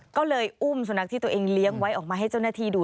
ก็เลยอุ้มสุนัขที่ตัวเองเลี้ยงไว้ออกมาให้เจ้าหน้าที่ดู